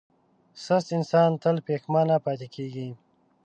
سست انسان تل پښېمانه پاتې کېږي.